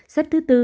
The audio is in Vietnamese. xếp thứ bốn